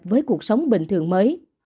với cuộc sống bình thường mới